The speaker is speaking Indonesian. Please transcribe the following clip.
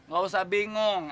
gak usah bingung